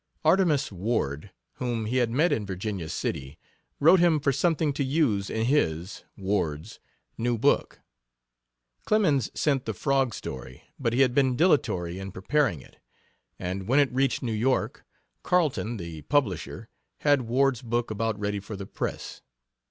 Artemus Ward, whom he had met in Virginia City, wrote him for something to use in his (Ward's) new book. Clemens sent the frog story, but he had been dilatory in preparing it, and when it reached New York, Carleton, the publisher, had Ward's book about ready for the press.